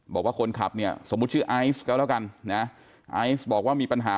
บอกว่าคนขับเนี่ยสมมุติชื่อไอซ์ก็แล้วกันนะไอซ์บอกว่ามีปัญหา